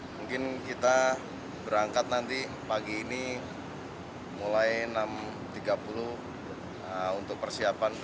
mungkin kita berangkat nanti pagi ini mulai enam tiga puluh untuk persiapan